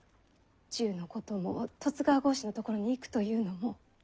銃のことも十津川郷士のところに行くというのも。